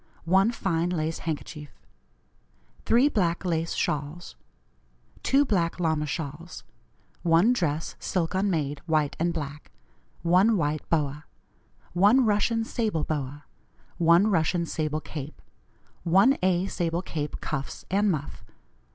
1 Fine lace handkerchief. 3 Black lace shawls. 2 Black lama shawls. 1 Dress, silk unmade, white and black. 1 White boa. 1 Russian sable boa. 1 Russian sable cape. 1 A. sable cape, cuffs and muff.